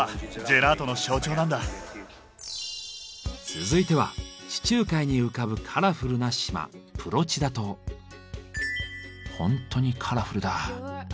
続いては地中海に浮かぶカラフルな島ほんとにカラフルだ。